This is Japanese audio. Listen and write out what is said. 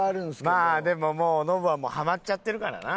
まあでももうノブはハマっちゃってるからな。